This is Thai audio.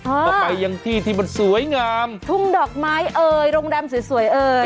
ก็ไปยังที่ที่มันสวยงามทุ่งดอกไม้เอ่ยโรงแรมสวยสวยเอ่ย